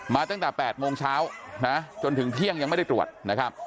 ตั้งแต่๘โมงเช้านะจนถึงเที่ยงยังไม่ได้ตรวจนะครับ